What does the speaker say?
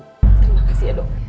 terima kasih ya dok